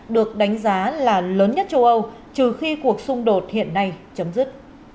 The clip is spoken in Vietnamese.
được đánh giá là lớn nhất châu âu trừ khi cuộc xung đột hiện nay chấm dứt